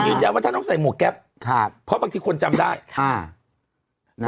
ว่าถ้าน้องใส่หมวกแก๊ปครับเพราะบางทีคนจำได้อ่า